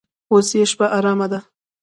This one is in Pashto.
اوس یې شپه ارامه ده.